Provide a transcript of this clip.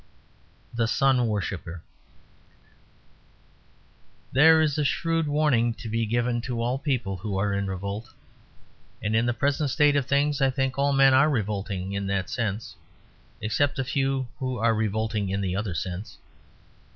THE SUN WORSHIPPER There is a shrewd warning to be given to all people who are in revolt. And in the present state of things, I think all men are revolting in that sense; except a few who are revolting in the other sense.